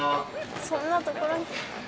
そんなところに。